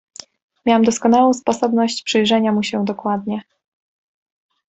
"Miałem doskonałą sposobność przyjrzenia mu się dokładnie."